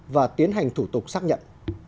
và tiến hành thủ tục xác nhận